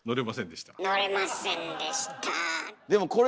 乗れませんでした。